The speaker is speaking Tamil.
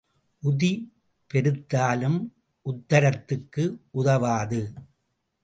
உதி பெருத்தாலும் உத்தரத்துக்கு உதவாது.